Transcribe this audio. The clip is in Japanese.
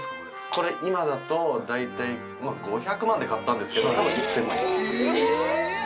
これ今だと大体５００万で買ったんですけどたぶん１０００万円ですえーっ！